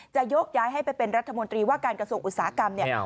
ยกย้ายให้ไปเป็นรัฐมนตรีว่าการกระทรวงอุตสาหกรรมเนี่ย